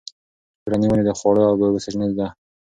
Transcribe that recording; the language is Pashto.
کورني ونې د خواړو او اوبو سرچینه ده.